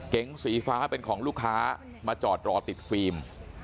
สีฟ้าเป็นของลูกค้ามาจอดรอติดฟิล์ม